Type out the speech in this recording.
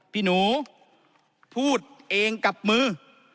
พี่หนูพูดเองกับมือ